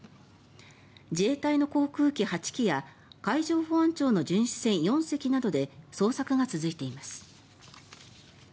自衛隊の航空機８機や海上保安庁の巡視船４隻などで捜索が続いています。